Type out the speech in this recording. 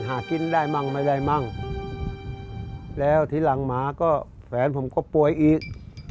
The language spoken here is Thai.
หากินได้มั่งไม่ได้มั่งแล้วทีหลังหมาก็แฟนผมก็ป่วยอีก